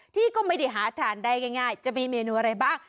ที่ก็ไม่ได้หาทานได้ง่ายจะมีเมนูอะไรบ้าง